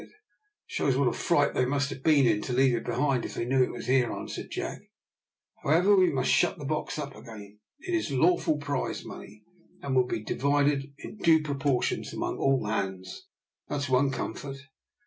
"It shows what a fright they must have been in to leave it behind if they knew it was here," answered Jack. "However, we must shut the box up again. It is lawful prize money, and will be divided in due proportions among all hands, that's one comfort."